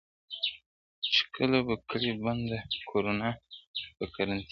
چي کله به کړي بنده کورونا په کرنتین کي!.